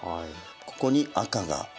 ここに赤が。